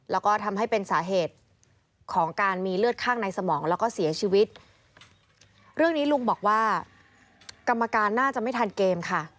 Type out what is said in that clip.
ลุงบอกว่ากรรมการน่าจะไม่ทันเกมค่ะ